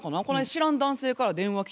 知らん男性から電話き